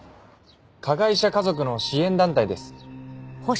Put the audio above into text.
加害者家族の支援団体です。